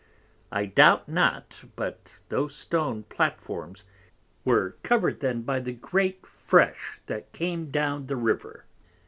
I doubt not but those Stone Platforms were covered then by the great Fresh that came down the River.